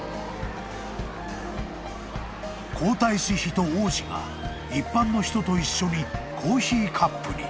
［皇太子妃と王子が一般の人と一緒にコーヒーカップに］